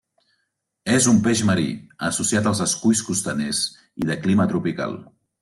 És un peix marí, associat als esculls costaners i de clima tropical.